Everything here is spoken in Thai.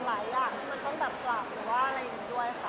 เพราะว่ามันต้องแบบกราค